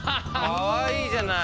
かわいいじゃない！